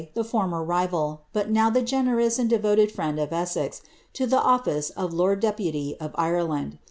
the former rivaJ, but now ihf generous atid devoted friend of E^asex, lo ihe office of lord depoly rf Ireland.